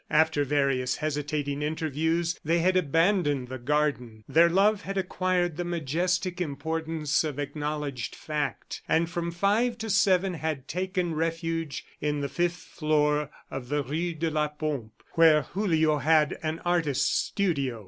After various hesitating interviews, they had abandoned the garden. Their love had acquired the majestic importance of acknowledged fact, and from five to seven had taken refuge in the fifth floor of the rue de la Pompe where Julio had an artist's studio.